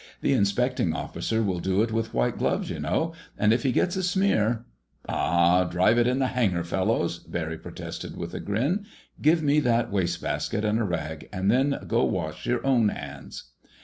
"The inspecting officer will do it with white gloves, you know. And if he gets a smear—" "Aw, drive it in the hangar, fellows!" Barry protested with a grin. "Give me that waste basket and a rag. And then go wash your own hands."